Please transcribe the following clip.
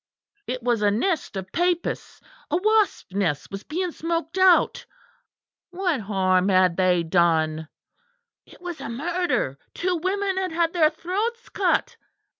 "It was a nest of papists a wasp's nest was being smoked out what harm had they done? It was a murder; two women had had their throats cut.